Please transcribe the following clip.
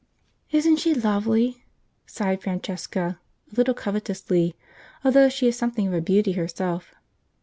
"Isn't she lovely?" sighed Francesca, a little covetously, although she is something of a beauty herself.